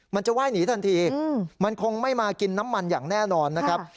มันจะไหว้หนีทันทีมันคงไม่มากินน้ำมันอย่างแน่นอนนะครับ